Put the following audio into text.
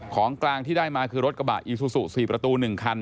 ของกลางที่ได้มาคือรถกระบะอีซูซู๔ประตู๑คัน